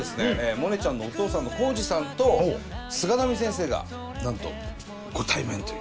モネちゃんのお父さんの耕治さんと菅波先生がなんとご対面というね。